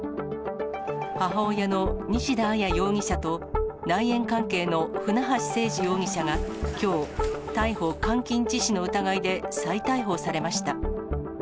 母親の西田彩容疑者と、内縁関係の船橋誠二容疑者が、きょう、逮捕監禁致死の疑いで再逮捕されました。